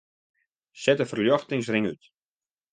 Set de ferljochtingsring út.